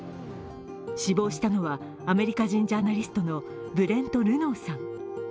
死亡したのは、アメリカ人ジャーナリストのブレント・ルノーさん。